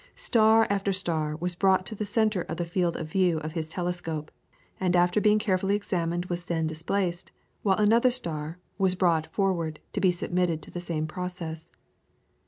Star after star was brought to the centre of the field of view of his telescope, and after being carefully examined was then displaced, while another star was brought forward to be submitted to the same process.